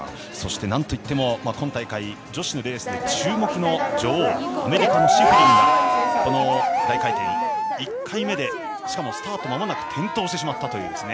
そして、なんといっても今大会女子のレースで注目の女王アメリカのシフリンがこの大回転、１回目でしかもスタートまもなく転倒してしまった。